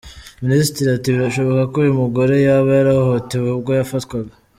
Minisitiri ati " Birashoboka ko uyu mugore yaba yarahohotewe ubwo yafatwaga".